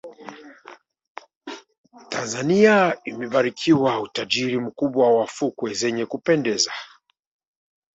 tanzania imebarikiwa utajiri mkubwa wa fukwe zenye kupendeza